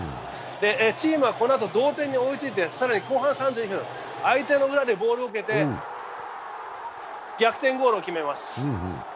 チームはこのあと同点に追いついて更に後半３２分、相手の裏でボールを受けて逆転ゴールを決めます。